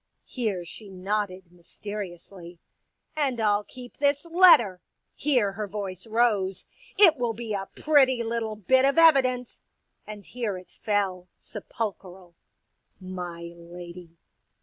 Here she nodded, mysteriously. *' And I'll keep this letter." Here her voice rose. *' It will be a pretty little bit of evidence !" And j here it fell, sepulchral, " My lady.''